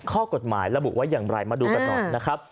ข้อกฎหมายระบุว่าอย่างไรมาดูกันหน่อยนะครับ